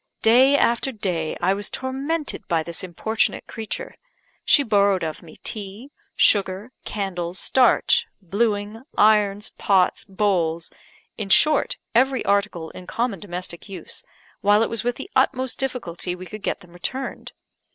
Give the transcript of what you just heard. Day after day I was tormented by this importunate creature; she borrowed of me tea, sugar, candles, starch, blueing, irons, pots, bowls in short, every article in common domestic use while it was with the utmost difficulty we could get them returned.